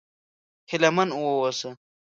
هيله من و اوسه!